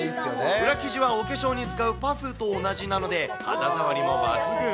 裏生地はお化粧に使うパフと同じなので、肌触りも抜群。